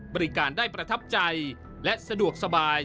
บริการได้ประทับใจและสะดวกสบาย